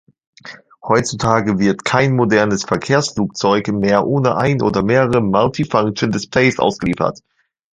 Heutzutage wird kein modernes Verkehrsflugzeug mehr ohne ein oder mehrere Multifunction-Displays ausgeliefert.